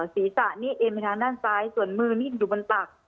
ศีรษะนี่เอ็นไปทางด้านซ้ายส่วนมือนี่อยู่บนตัก